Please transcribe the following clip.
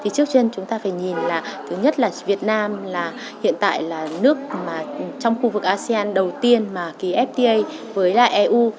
thì trước trên chúng ta phải nhìn là thứ nhất là việt nam hiện tại là nước trong khu vực asean đầu tiên mà ký fta với eu